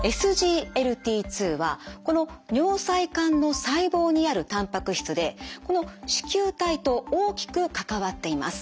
ＳＧＬＴ２はこの尿細管の細胞にあるたんぱく質でこの糸球体と大きく関わっています。